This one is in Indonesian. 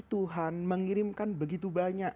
tuhan mengirimkan begitu banyak